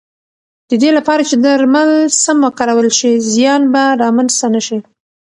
د دې لپاره چې درمل سم وکارول شي، زیان به رامنځته نه شي.